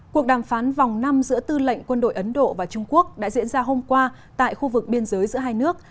cuộc đàm phán vòng năm giữa tư lệnh quân đội ấn độ và trung quốc đã diễn ra hôm qua tại khu vực biên giới giữa hai nước